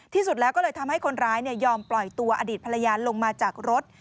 ที่สุดแล้วก็เลยทำให้คนร้ายยอมปล่อยตัวอดีตภรรยาลงมาจากรถ